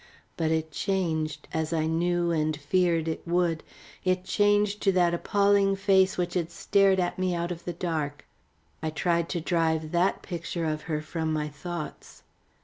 But it changed, as I knew and feared it would, it changed to that appalling face which had stared at me out of the dark. I tried to drive that picture of her from my thoughts.